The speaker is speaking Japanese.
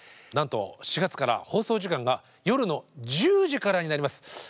なんと４月から放送時間が夜の１０時からになります。